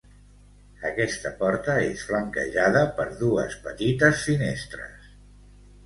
Aquesta porta és flanquejada per dues petites finestres.